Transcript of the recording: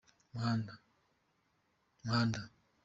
umuhanda.